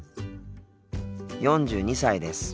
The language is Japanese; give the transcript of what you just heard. ４２歳です。